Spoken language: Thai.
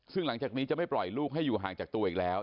ซึ่งหลังจากนี้จะไม่ปล่อยลูกให้อยู่ห่างจากตัวอีกแล้ว